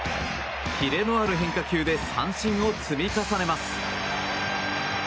キレのある変化球で三振を積み重ねます。